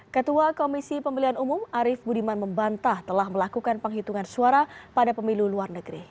ketua komisi pemilihan umum arief budiman membantah telah melakukan penghitungan suara pada pemilu luar negeri